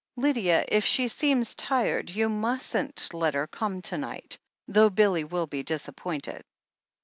Lydia, if she seems tired, you mustn't let her come to night, though Billy will be disappointed."